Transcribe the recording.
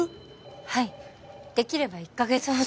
はいできれば１カ月ほど